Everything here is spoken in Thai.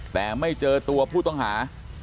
แต่ไม่เจอตัวผู้ต้องหา